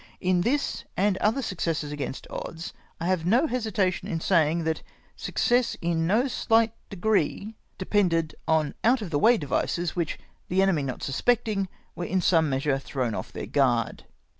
In this, and other successes against odds, I have no hesitation in saying that success in no shght degree depended on out of the way devices, which the enemy not suspect ing, were in some measure thrown off their guard.